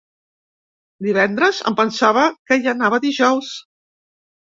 Divendres? Em pensava que hi anava dijous.